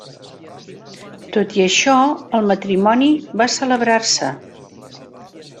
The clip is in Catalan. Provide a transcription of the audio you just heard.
Tot i això el matrimoni va celebrar-se.